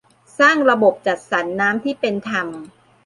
สร้างระบบจัดสรรน้ำที่เป็นธรรม